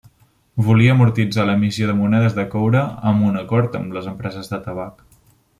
Volia amortitzar l'emissió de monedes de coure amb un acord amb les empreses de tabac.